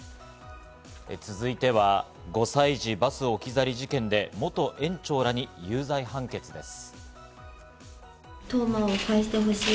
続いては、５歳児バス置き去り事件で、元園長らに有罪判決です。